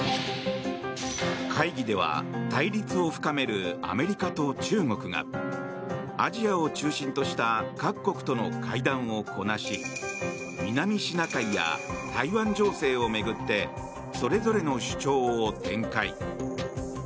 会議では対立を深めるアメリカと中国がアジアを中心とした各国との会談をこなし南シナ海や台湾情勢を巡ってそれぞれの主張を展開。